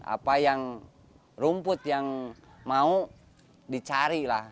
apa yang rumput yang mau dicari lah